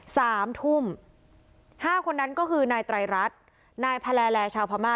สามทุ่มห้าคนนั้นก็คือนายไตรรัฐนายแพลร์แลชาวพม่า